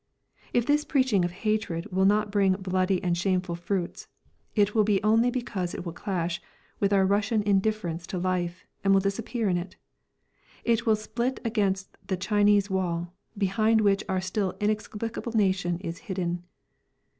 If this preaching of hatred will not bring bloody and shameful fruits, it will be only because it will clash with our Russian indifference to life and will disappear in it; it will split against the Chinese wall, behind which our still inexplicable nation is hidden.